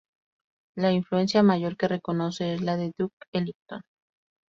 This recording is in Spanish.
La influencia mayor que reconoce es la de Duke Ellington.